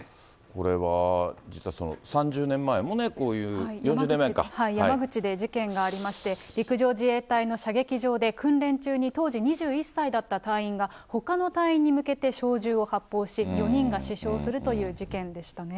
これは実は３０年前もね、こういう、山口で事件がありまして、陸上自衛隊の射撃場で訓練中に当時２１歳だった隊員が、ほかの隊員に向けて小銃を発砲し、４人が死傷するという事件でしたね。